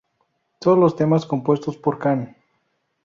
Todos los temas compuestos por Can.